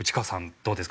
どうですか？